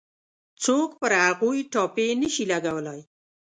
څوک پر هغوی ټاپې نه شي لګولای.